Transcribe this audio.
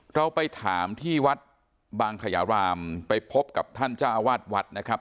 เราไปถามที่วัดบางขยารามไปพบกับท่านเจ้าวาดวัดนะครับ